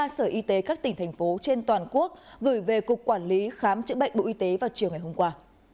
ba sở y tế các tỉnh thành phố trên toàn quốc gửi về cục quản lý khám chữa bệnh bộ y tế vào chiều ngày hôm qua